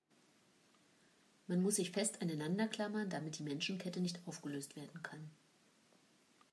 Man muss sich fest aneinander klammern, damit die Menschenkette nicht aufgelöst werden kann.